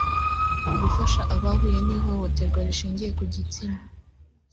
gufasha abahuye n’ihohoterwa rishingiye ku gitsina